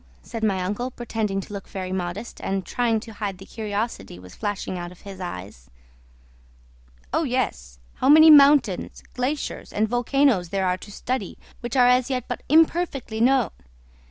said my uncle, pretending to look very modest, and trying to hide the curiosity was flashing out of his eyes. "Oh, yes; how many mountains, glaciers, and volcanoes there are to study, which are as yet but imperfectly known!